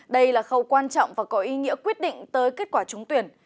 đây là khâu quan trọng và có ý nghĩa quyết định tới kết quả trúng tuyển